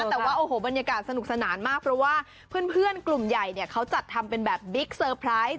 แต่ว่าโอ้โหบรรยากาศสนุกสนานมากเพราะว่าเพื่อนกลุ่มใหญ่เนี่ยเขาจัดทำเป็นแบบบิ๊กเซอร์ไพรส์